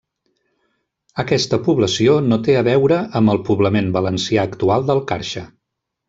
Aquesta població no té a veure amb el poblament valencià actual del Carxe.